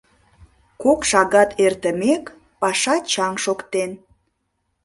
Кок шагат эртымек, паша чаҥ шоктен.